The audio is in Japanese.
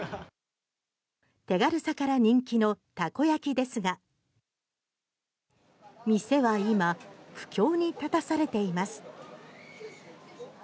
手軽さから人気のたこ焼きですが店は今苦境に立たされています。